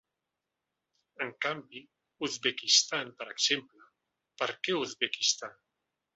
En canvi l’Uzbekistan, per exemple… Per què l’Uzbekistan?